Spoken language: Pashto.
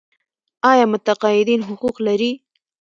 آیا متقاعدین حقوق لري؟